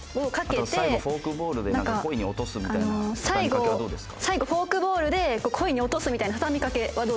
「あと最後フォークボールで恋に落とすみたいな畳み掛けはどうですか？」。